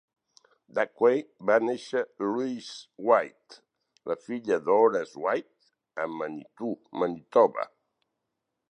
Dacquay va néixer Louise White, la filla d'Horace White, a Manitou, Manitoba.